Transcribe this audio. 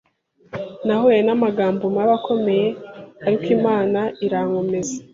nahuye n’amagambo mabi akomeye ariko Imana irankomeza